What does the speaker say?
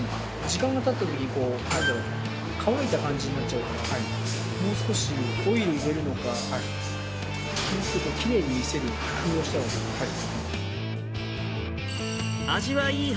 時間がたったときに、なんか乾いた感じになっちゃうから、もう少しオイル入れるのか、きれいに見せる工夫をしたほうがいい。